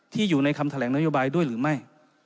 อยู่ในคำแถลงนโยบายด้วยหรือไม่